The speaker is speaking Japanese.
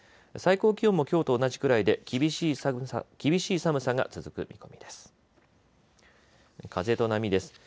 最高気温もきょうと同じくらいで厳しい寒さが続く見込みです。